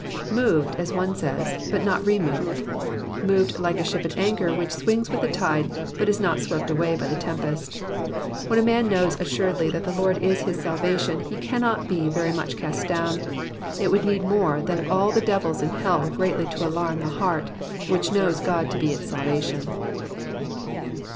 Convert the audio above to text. "Jtfew^,'' as one says, '*but not removed." Moved like a ship at anchor which swings with the tide, but is not swept away by the tempest. When a man knows assuredly that the Lord is his salvation, he cannot be very much cast down : it would need more than all the devils iu hell greatly to alarm a heart which knows God to be its salvation.